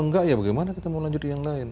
enggak ya bagaimana kita mau lanjutin yang lain